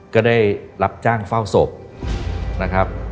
ก็ได้รับจ้างเฝ้าศพนะครับ